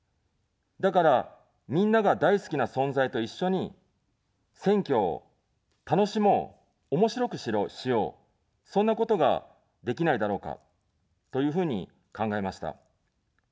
だから、みんなが大好きな存在と一緒に選挙を楽しもう、おもしろくしよう、そんなことができないだろうかというふうに考えました。